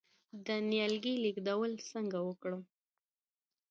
د نیالګي لیږدول څنګه وکړم؟